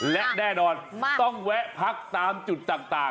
และแน่นอนต้องแวะพักตามจุดต่าง